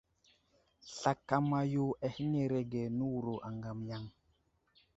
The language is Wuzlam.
Slakama yo ahənərge nəwuro aŋgam yaŋ.